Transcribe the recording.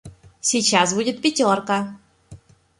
Сейчас будет пятерка.